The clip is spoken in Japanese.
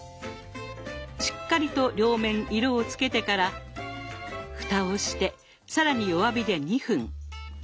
しっかりと両面色をつけてから蓋をして更に弱火で２分。